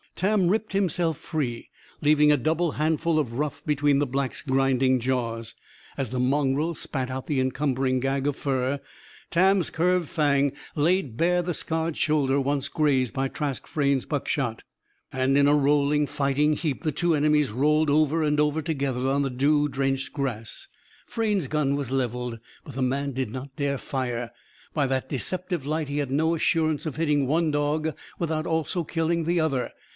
Tam ripped himself free, leaving a double handful of ruff between the Black's grinding jaws. As the mongrel spat out the encumbering gag of fur, Tam's curved fang laid bare the scarred shoulder once grazed by Trask Frayne's buckshot. And, in a rolling, fighting heap, the two enemies rolled over and over together on the dew drenched grass. Frayne's gun was levelled. But the man did not dare fire. By that deceptive light, he had no assurance of hitting one dog without also killing the other.